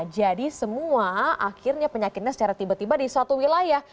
jadi semua akhirnya penyakitnya secara tiba tiba di suatu wilayah